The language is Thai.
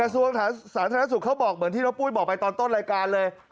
ส่วนสาธารณสุขเขาบอกเหมือนที่น้องปุ้ยบอกไปตอนต้นรายการเลย